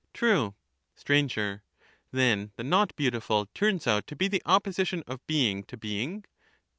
True. Str. Then the not beautiful turns out to be the opposition of being to being